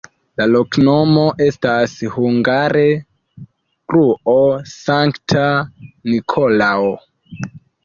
La loknomo estas hungare: gruo-Sankta Nikolao.